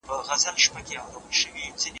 ايا ته سبزیجات تياروې؟